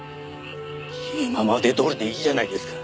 今までどおりでいいじゃないですか。